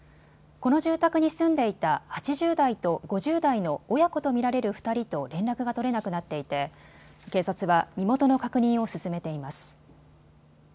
この住宅に住んでいた８０代と５０代の親子と見られる２人と連絡が取れなくなっていて警察は身元の確認を進めています。